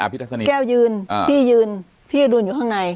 อ่ะพี่ทัศนีแก้วยืนอ่าพี่ยืนพี่ออดูนอยู่ข้างใน